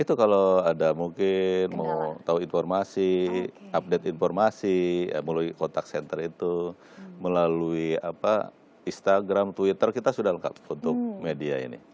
itu kalau ada mungkin mau tahu informasi update informasi melalui kontak senter itu melalui instagram twitter kita sudah lengkap untuk media ini